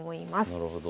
なるほど。